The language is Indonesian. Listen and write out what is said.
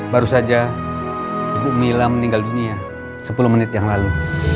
baru saja ibu mila meninggal dunia sepuluh menit yang lalu